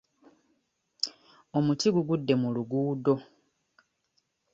Omuti gugudde mu luguudo.